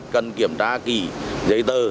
cần kiểm tra kỳ giấy tờ